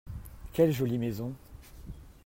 Quelle jolie maison !